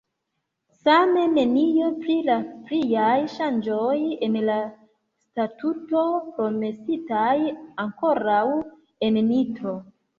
Same nenio pri la pliaj ŝanĝoj en la Statuto, promesitaj ankoraŭ en Nitro.